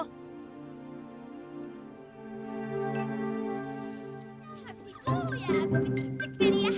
habis itu ya aku kececek cecek tadi ya